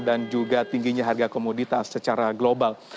dan juga tingginya harga komoditas secara global